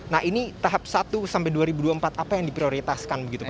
nah ini tahap satu sampai dua ribu dua puluh empat apa yang diprioritaskan begitu pak